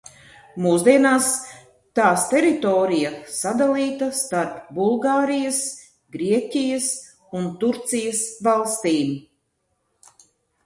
Mūsdienās tās teritorija sadalīta starp Bulgārijas, Grieķijas un Turcijas valstīm.